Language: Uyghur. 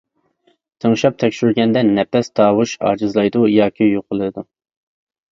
تىڭشاپ تەكشۈرگەندە نەپەس تاۋۇشى ئاجىزلايدۇ ياكى يوقىلىدۇ.